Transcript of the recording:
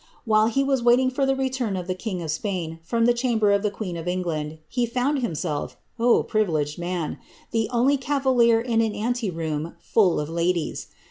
While he was waiting for the return of the king of Spain from the chamber of the queen of England, he found himself — privileged man !— the only BSTalier in an ante room full of ladies.